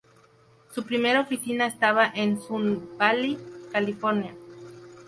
Su primera oficina estaba en Sunnyvale, California.